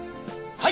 はい！